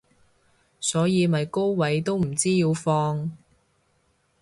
所以咪高位都唔知要放